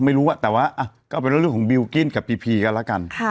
ไม่รู้แต่ว่าก็เป็นเรื่องของบิลกิ้นกับพีพีกันแล้วกัน